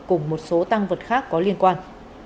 cùng một số tang vật khác có liên quan